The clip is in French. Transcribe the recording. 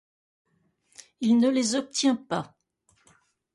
Il ne les obtient pas.